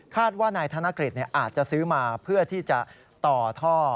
ว่านายธนกฤษอาจจะซื้อมาเพื่อที่จะต่อท่อ